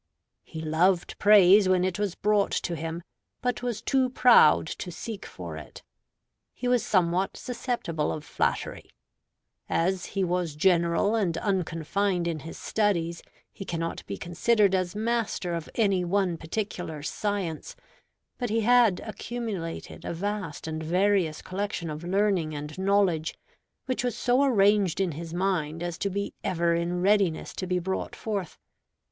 He loved praise when it was brought to him, but was too proud to seek for it. He was somewhat susceptible of flattery. As he was general and unconfined in his studies, he cannot be considered as master of any one particular science; but he had accumulated a vast and various collection of learning and knowledge, which was so arranged in his mind as to be ever in readiness to be brought forth.